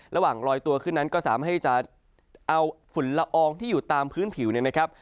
ลอยตัวขึ้นนั้นก็สามารถให้จะเอาฝุ่นละอองที่อยู่ตามพื้นผิวเนี่ยนะครับ